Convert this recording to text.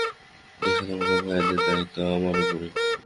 যেখানে আমার ভাইদের দায়িত্ব আমার উপরে।